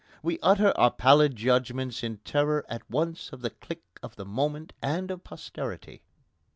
We utter our pallid judgments in terror at once of the clique of the moment and of posterity.